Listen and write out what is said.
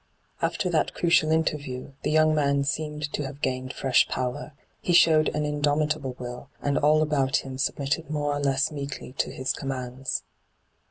After that crucial interview, the young man seemed to have gained fresh power. He showed an indomitable will, and all about him submitted more or less meekly to his commands.